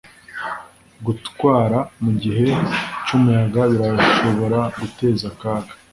Gutwara mugihe cyumuyaga birashobora guteza akaga.